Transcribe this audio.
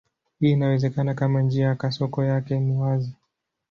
Hii inawezekana kama njia ya kasoko yake ni wazi.